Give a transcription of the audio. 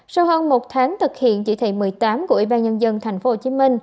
sau hơn một tháng thực hiện chỉ thị một mươi tám của ủy ban nhân dân tp hcm